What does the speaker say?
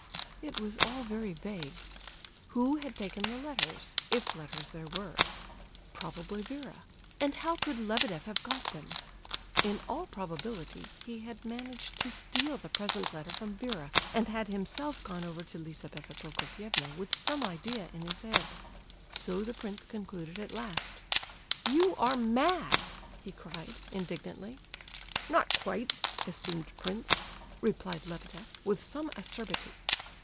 It was all very vague. Who had taken the letters, if letters there were? Probably Vera—and how could Lebedeff have got them? In all probability, he had managed to steal the present letter from Vera, and had himself gone over to Lizabetha Prokofievna with some idea in his head. So the prince concluded at last. "You are mad!" he cried, indignantly. "Not quite, esteemed prince," replied Lebedeff, with some acerbity.